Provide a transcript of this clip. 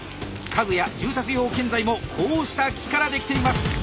家具や住宅用建材もこうした木から出来ています。